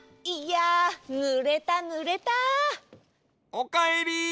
おかえり！